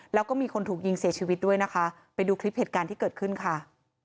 แล้วก็มีคนถูกยิงเสียชีวิตด้วยนะคะไปดูคลิปเหตุการณ์ที่เกิดขึ้นค่ะ